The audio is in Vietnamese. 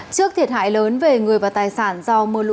trước thiệt hại lớn về người và tài sản do mưa lũ